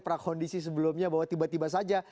prakondisi sebelumnya bahwa tiba tiba saja